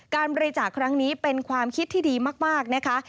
การบริจาคครั้งนี้เป็นความคิดที่ดีมากนะคะ